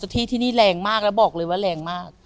ที่ที่นี่แรงมากแล้วบอกเลยว่าแรงมาก